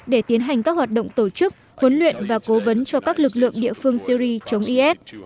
để tiến hành các hoạt động tổ chức huấn luyện và cố vấn cho các lực lượng địa phương syri chống is